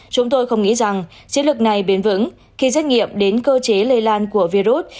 chúng tôi không nghĩ rằng chiến lược này bền vững khi xét nghiệm đến cơ chế lây lan của virus